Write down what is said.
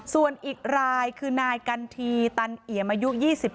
ส่วนอีกรายคือนายกันทีตันเอี่ยมอายุ๒๗